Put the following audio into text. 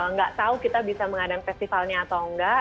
nggak tahu kita bisa mengadang festivalnya atau nggak